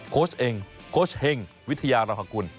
โค้ชเฮงวิทยาราภาคุณ